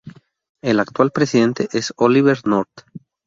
El actual presidente es Oliver North.